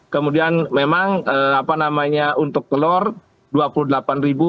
kemudian memang apa namanya untuk telur rp dua puluh delapan ribu